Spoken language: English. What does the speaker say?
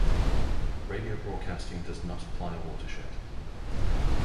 Radio broadcasting does not apply a watershed.